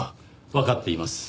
わかっています。